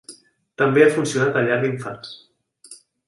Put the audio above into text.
També ha funcionat a llar d'infants.